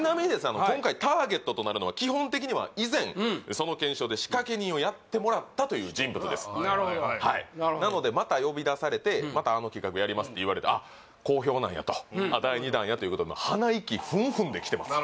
あの今回ターゲットとなるのは基本的には以前その検証で仕掛け人をやってもらったという人物ですなるほどはいなのでまた呼び出されてまたあの企画やりますって言われてあっ好評なんやと第２弾やということで鼻息フンフンできてます